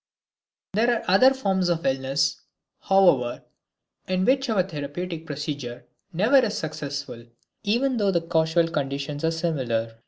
There are other forms of illness, however, in which our therapeutic procedure never is successful, even though the causal conditions are similar.